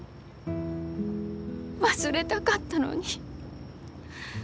忘れたかったのに。